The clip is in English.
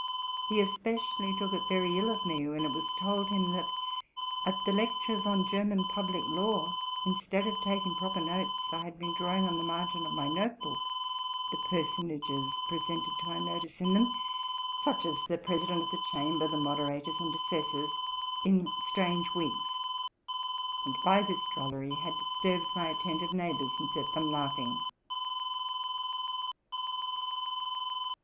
He especially took it very ill of me, when it was told him, that at the lectures on German Public Law, instead of taking proper notes, I had been drawing on the margin of my note book the personages presented to our notice in them, such as the President of the Chamber, the Moderators and Assessors, in strange wigs; and by this drollery had disturbed my atten tive neighbors and set them laughing.